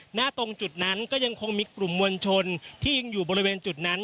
ตรงจุดนั้นก็ยังคงมีกลุ่มมวลชนที่ยังอยู่บริเวณจุดนั้น